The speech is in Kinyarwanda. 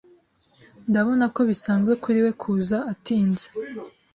Ndabona ko bisanzwe kuri we kuza atinze.